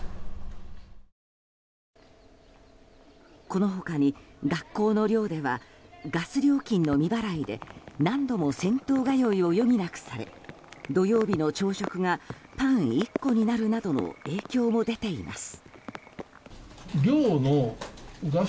この他に、学校の寮ではガス料金の未払いで何度も銭湯通いを余儀なくされ土曜日の朝食がパン１個になるなどの影響も出ています。